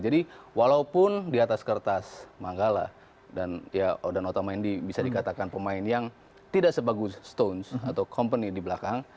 jadi walaupun di atas kertas mangala dan otamendi bisa dikatakan pemain yang tidak sebagus stones atau company di belakang